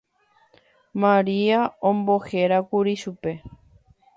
Maria ombohérakuri chupe.